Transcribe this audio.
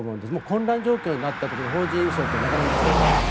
混乱状況になった時に邦人輸送はなかなか難しいと思う。